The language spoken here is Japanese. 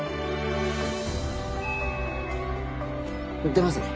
出ますね。